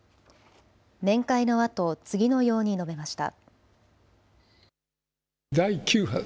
面会のあと次のように述べました。